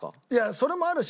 それもあるし